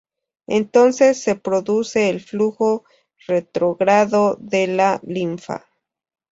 Entonces se produce el flujo retrógrado de la linfa.